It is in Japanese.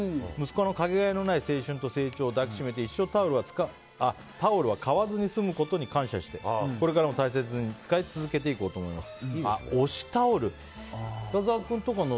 息子のかけがえのない成長を抱きしめてタオルは買わないことに感謝してこれからも大切に使い続けていこうと思います。